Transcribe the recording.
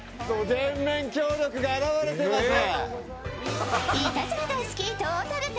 全面協力が表れていますね。